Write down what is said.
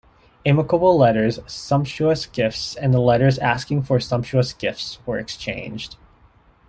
Amicable letters, sumptuous gifts, and letters asking for sumptuous gifts were exchanged.